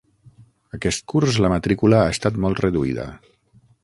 Aquest curs la matrícula ha estat molt reduïda.